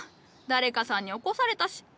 誰かさんに起こされたし。